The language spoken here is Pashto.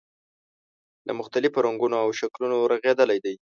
له مختلفو رنګونو او شکلونو رغېدلی دی.